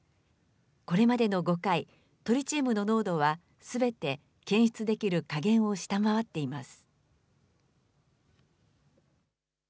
これまでの５回、トリチウムの濃度はすべて検出できる下限を下回っています。